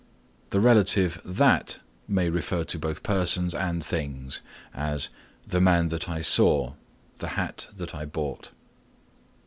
The relative that may refer to both persons and things; as, "The man that I saw." "The hat that I bought."